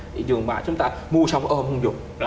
thị trường mà chúng ta mua xong ôm không dùng